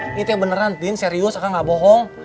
ini teh beneran din serius akang gak bohong